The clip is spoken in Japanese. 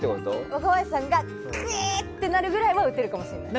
若林さんが、キーッ！ってなるぐらいは打てるかもしれない。